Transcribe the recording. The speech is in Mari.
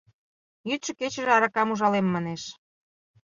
Йӱдшӧ-кечыже аракам ужалем, манеш.